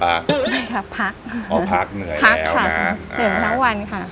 ไม่ครับพักอ๋อพักเหนื่อยแล้วพักน่ะเกิดทำคุณค่ะ